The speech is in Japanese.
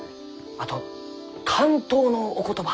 あと巻頭のお言葉。